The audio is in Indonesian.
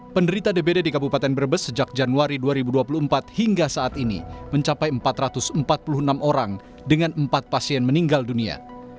empat pasien meninggal dunia